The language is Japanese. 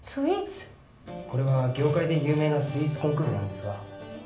これは業界で有名なスイーツコンクールなんですが。